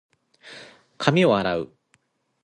髪を洗う。